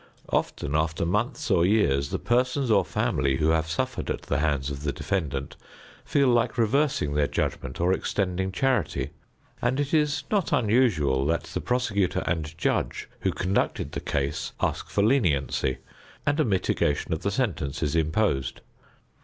Often after months or years, the persons or family who have suffered at the hands of the defendant feel like reversing their judgment or extending charity, and it is not unusual that the prosecutor and judge who conducted the case ask for leniency and a mitigation of the sentence is imposed.